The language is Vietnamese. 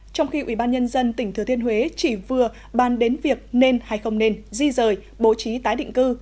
trong khi ubnd tỉnh thừa thiên huế chỉ vừa ban đến việc nên hay không nên di rời bố trí tái định cư